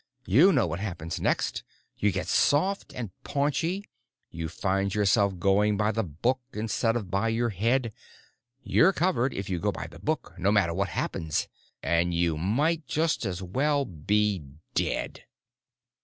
You know what happens next. You get soft and paunchy. You find yourself going by the book instead of by your head. You're covered, if you go by the book—no matter what happens. And you might just as well be dead!"